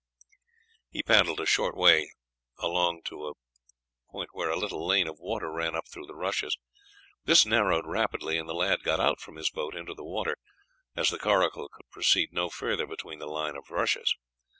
He paddled a short way along the broad to a point where a little lane of water ran up through the rushes. This narrowed rapidly and the lad got out from his boat into the water, as the coracle could proceed no further between the lines of rushes.